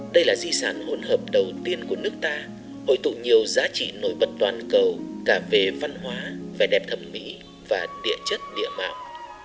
đây là di sản hỗn hợp đầu tiên của nước ta hội tụ nhiều giá trị nổi bật toàn cầu cả về văn hóa vẻ đẹp thẩm mỹ và địa chất địa mạo